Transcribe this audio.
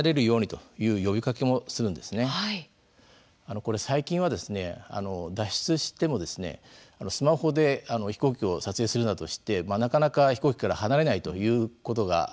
これ最近はですね脱出してもスマホで飛行機を撮影するなどしてなかなか飛行機から離れないというケースがあるんですね。